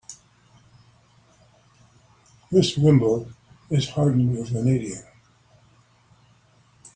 This wimble is hardened with vanadium.